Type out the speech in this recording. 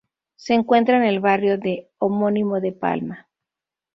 Se encuentra en el barrio de homónimo de Palma.